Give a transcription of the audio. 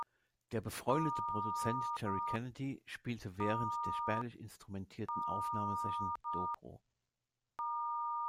Der befreundete Produzent Jerry Kennedy spielte während der spärlich instrumentierten Aufnahmesession Dobro.